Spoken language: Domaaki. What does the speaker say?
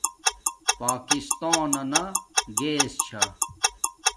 پاکستانانا گیس چھا